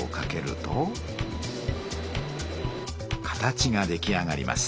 形が出来上がります。